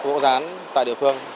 gỗ rán tại địa phương